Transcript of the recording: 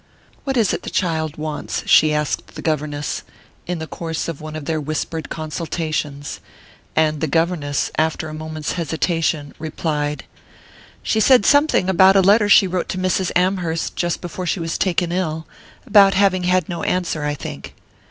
"What is it the child wants?" she asked the governess, in the course of one of their whispered consultations; and the governess, after a moment's hesitation, replied: "She said something about a letter she wrote to Mrs. Amherst just before she was taken ill about having had no answer, I think."